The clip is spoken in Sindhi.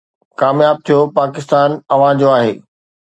ڪامياب ٿيو پاڪستان اوهان جو آهي